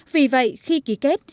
vì vậy khi ký kết